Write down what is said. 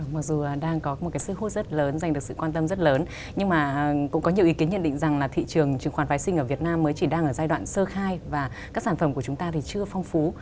mặc dù đang có một cái sức hút rất lớn dành được sự quan tâm rất lớn nhưng mà cũng có nhiều ý kiến nhận định rằng là thị trường chứng khoán vaccine ở việt nam mới chỉ đang ở giai đoạn sơ khai và các sản phẩm của chúng ta thì chưa phong phú